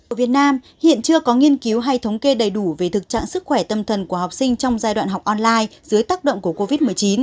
ở việt nam hiện chưa có nghiên cứu hay thống kê đầy đủ về thực trạng sức khỏe tâm thần của học sinh trong giai đoạn học online dưới tác động của covid một mươi chín